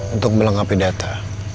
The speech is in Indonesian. untuk melengkapi data